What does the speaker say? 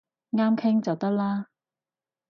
啱傾就得啦